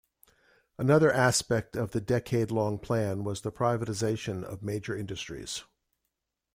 Another aspect of the decade-long plan was the privatization of major industries.